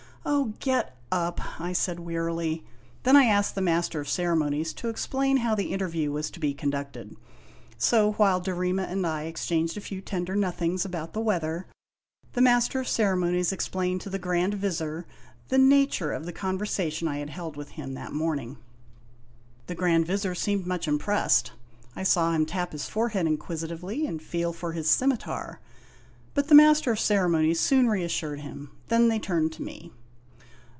" Oh, get up !" I said wearily. Then I asked the Master of Ceremonies to explain how the interview was to be conducted. So while Dorema and I exchanged a few tender nothings about the weather, the Master of Ceremonies explained to the Grand Vizir the nature of the conversation I had held with him that morn ;' WHAT DOES THE CELESTIAL ORB REQUIRE ?' SAID THE GRAND VIZIR." 60 IMAGINOTIONS ing. The Grand Vizir seemed much impressed. I saw him tap his forehead inquisitively and feel for his simitar. But the Master of Ceremonies soon reassured him. Then they turned to me.